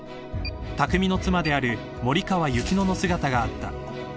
［拓未の妻である森川雪乃の姿があった］